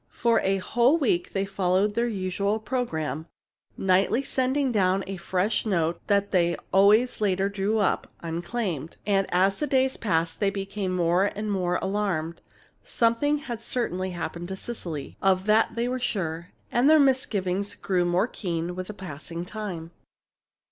For a whole week they followed their usual program, nightly sending down a fresh note that they always later drew up, unclaimed. And as the days passed they became more and more alarmed. Something had certainly happened to Cecily. Of that they were sure, and their misgivings grew more keen with the passing time.